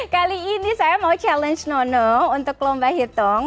kali ini saya mau challenge nono untuk lomba hitung